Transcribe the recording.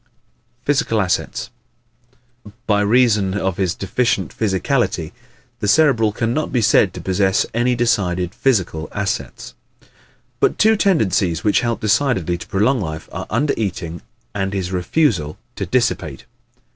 Physical Assets ¶ By reason of his deficient physicality the Cerebral can not be said to possess any decided physical assets. But two tendencies which help decidedly to prolong life are under eating and his refusal to dissipate.